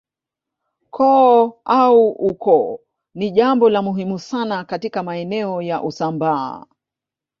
Koo au ukoo ni jambo la muhimu sana katika maeneo ya Usambaa